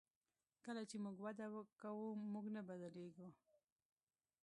کله چې موږ وده کوو موږ نه بدلیږو.